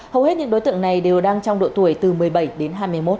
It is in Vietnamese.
hầu hết những đối tượng này đều đang trong độ tuổi từ một mươi bảy đến hai mươi một